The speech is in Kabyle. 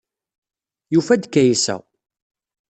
Yufa-d Kaysa.